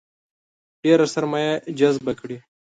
ډېره سرمایه جذبه کړي.